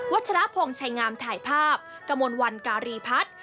ชรพงศ์ชัยงามถ่ายภาพกระมวลวันการีพัฒน์